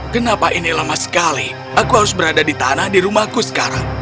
kenapa ini lama sekali aku harus berada di tanah di rumahku sekarang